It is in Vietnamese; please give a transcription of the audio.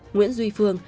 nguyễn duy phương